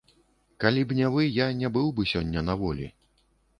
Калі б не вы, я не быў бы сёння на волі.